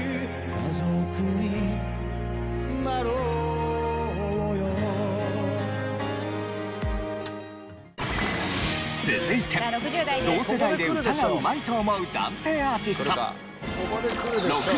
「家族になろうよ」続いて同世代で歌がうまいと思う男性アーティスト。